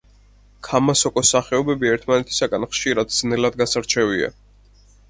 ქამასოკოს სახეობები ერთმანეთისაგან ხშირად ძნელად გასარჩევია.